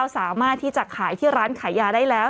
สามารถที่จะขายที่ร้านขายยาได้แล้ว